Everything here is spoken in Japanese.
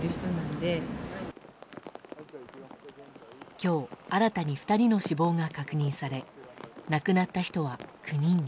今日、新たに２人の死亡が確認され亡くなった人は９人に。